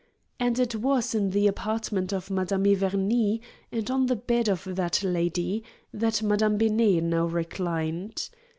And it was in the apartment of Madame Iverney, and on the bed of that lady, that Madame Benet now reclined.